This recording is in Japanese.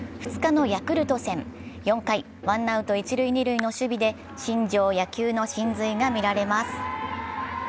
２日のヤクルト戦、４回、ワンアウト一・二塁のピンチで新庄野球の神髄が見られます。